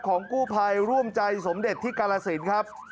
ของกู้ภัยร่วมใจสมเด็จที่กาลสินครับ